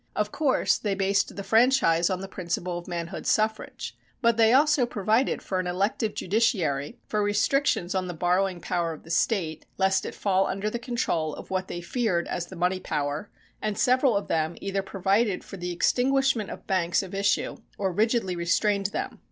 Of course, they based the franchise on the principle of manhood suffrage. But they also provided for an elective judiciary, for restrictions on the borrowing power of the State, lest it fall under the control of what they feared as the money power, and several of them either provided for the extinguishment of banks of issue, or rigidly restrained them.